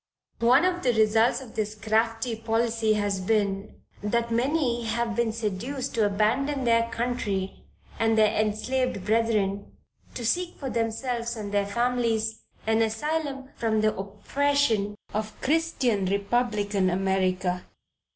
One of the results of this crafty policy has been, that many have been seduced to abandon their country and their enslaved brethren, to seek for themselves and their families an asylum from the oppression of Christian, Republican, America.